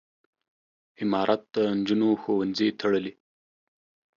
امارت د نجونو ښوونځي تړلي.